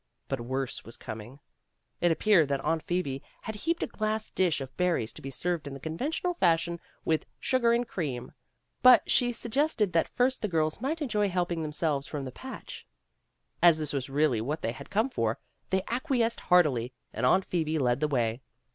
But worse was coming. It appeared that Aunt Phoebe had a heaped glass dish of berries to be served in the conventional fashion with sugar and cream, but she suggested that first the girls might enjoy helping themselves from the patch. As this was really what they had come for, they acquiesced heartily, and Aunt Phoebe led the way.